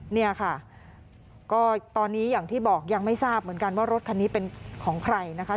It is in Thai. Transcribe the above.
เนี่ยค่ะก็ตอนนี้อย่างที่บอกยังไม่ทราบเหมือนกันว่ารถคันนี้เป็นของใครนะคะ